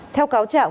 theo cáo trạng